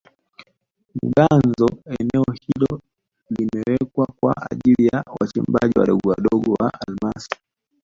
Maganzo eneo hili limewekwa kwa ajili ya wachimbaji wadogowadogo wa almasi